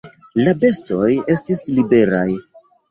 La bestoj estis liberaj.